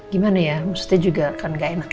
gimana ya maksudnya juga kan gak enak ya